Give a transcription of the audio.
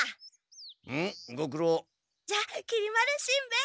じゃあきり丸しんべヱ。